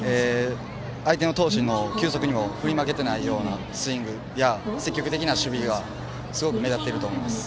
相手の投手の球速にも振り負けていないようなスイングや積極的な守備がすごく目立っていると思います。